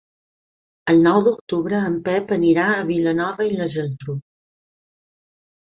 El nou d'octubre en Pep anirà a Vilanova i la Geltrú.